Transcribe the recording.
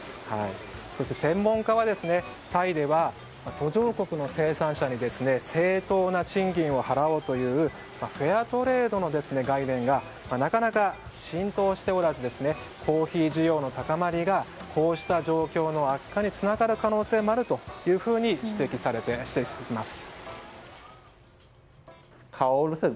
専門家は、タイでは途上国の生産者に正当な賃金を払おうというフェアトレードの概念がなかなか浸透しておらずコーヒー需要の高まりがこうした状況の悪化につながる可能性もあるというふうに指摘されています。